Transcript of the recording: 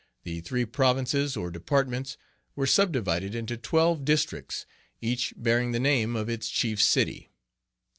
The three Provinces, or Departments, were subdivided into twelve Districts, each bearing the name of its chief city.